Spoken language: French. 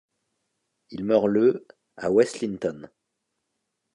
Il meurt le à West Linton.